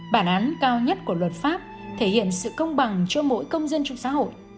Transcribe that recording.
bản án cao nhất của luật pháp thể hiện sự công bằng cho mỗi công dân trong xã hội